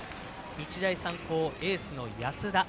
日大三高、エースの安田。